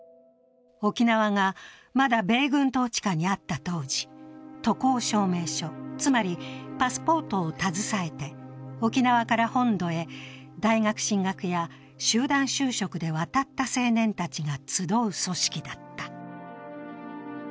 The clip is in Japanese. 沖縄がまだ米軍統治下にあった当時、渡航証明書、つまりパスポートを携えて沖縄から本土へ大学進学や集団就職で青年たちが集う組織だった。